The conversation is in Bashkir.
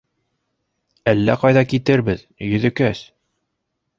Әллә ҡайҙа китербеҙ, Йөҙөкәс!